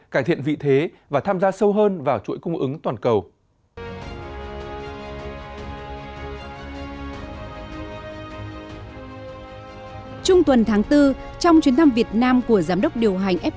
cải thiện vị thế và tham gia sâu hơn vào chuỗi cung ứng toàn cầu